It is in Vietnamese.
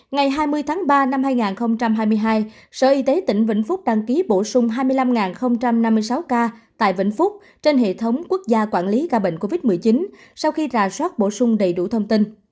ngày hai mươi tháng ba năm hai nghìn hai mươi hai sở y tế tỉnh vĩnh phúc đăng ký bổ sung hai mươi năm năm mươi sáu ca tại vĩnh phúc trên hệ thống quốc gia quản lý ca bệnh covid một mươi chín sau khi rà soát bổ sung đầy đủ thông tin